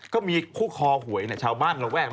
ก็มีคู่คอหวยเนี่ยชาวบ้านลงแวกนั้น